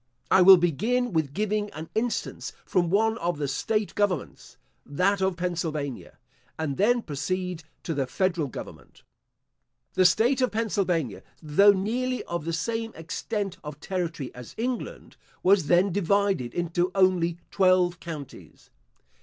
I will begin with giving an instance from one of the state governments (that of Pennsylvania) and then proceed to the federal government. The state of Pennsylvania, though nearly of the same extent of territory as England, was then divided into only twelve counties.